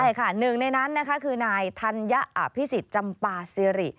ใช่ค่ะหนึ่งในนั้นคือนายธัญพิสิทธิ์จำปาศิริ